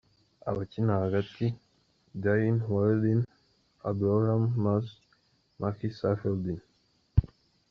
Abakina hagati: Daiyeen Walieldin, Abdelrahman Maaz, Maki Saifeldin.